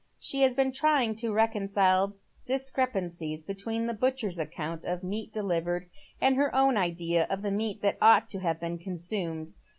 She has been trying to reconcile discrepancies between the butcher's account of meat delivered and her own idea of the meat that ought to have been consumed.